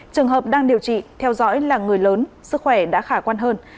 trường hợp đang điều trị theo dõi là người lớn sức khỏe đã khả quan hơn